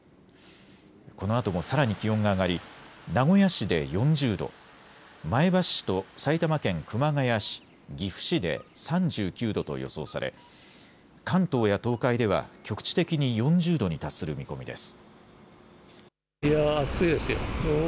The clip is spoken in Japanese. このあともさらに気温が上がり名古屋市で４０度、前橋市と埼玉県熊谷市、岐阜市で３９度と予想され関東や東海では局地的に４０度に達する見込みです。